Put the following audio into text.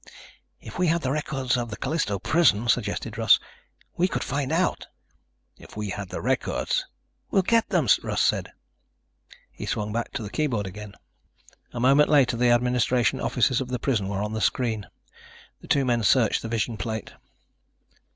"If we had the records of the Callisto prison," suggested Russ, "we could find out." "If we had the records ..." "We'll get them!" Russ said. He swung back to the keyboard again. A moment later the administration offices of the prison were on the screen. The two men searched the vision plate.